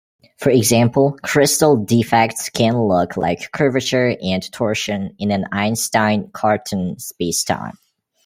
For example, crystal defects can look like curvature and torsion in an Einstein-Cartan spacetime.